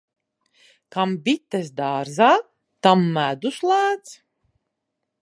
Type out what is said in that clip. Kam bites dārzā, tam medus lēts.